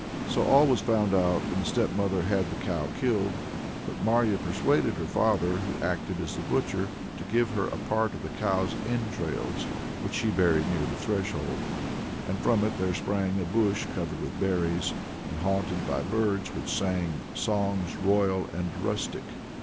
So all was found out, and the stepmother had the cow killed. But Marya persuaded her father, who acted as the butcher, to give her a part of the cow's entrails, which she buried near the threshold; and from it there sprang a bush covered with berries, and haunted by birds which sang "songs royal and rustic."